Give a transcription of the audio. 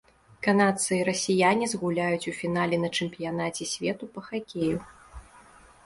Канадцы і расіяне згуляюць у фінале на чэмпіянаце свету па хакею.